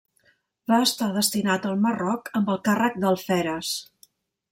Va estar destinat al Marroc amb el càrrec d'alferes.